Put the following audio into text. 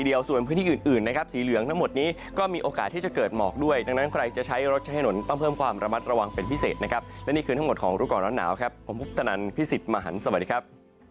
ดูก่อนร้อนหนาวครับผมพุทธนันทร์พี่สิทธิ์มหันต์สวัสดีครับ